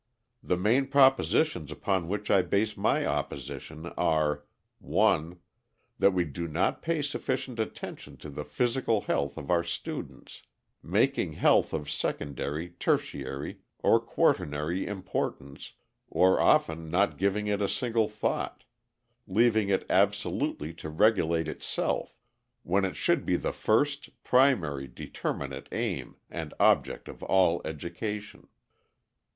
The main propositions upon which I base my opposition are: 1. That we do not pay sufficient attention to the physical health of our students, making health of secondary, tertiary, or quaternary importance, or often not giving it a single thought; leaving it absolutely to regulate itself, when it should be the first, primary, determinate aim and object of all education.